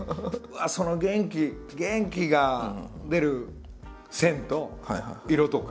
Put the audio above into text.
その元気元気が出る線と色とか。